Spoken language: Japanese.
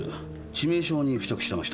致命傷に付着してました。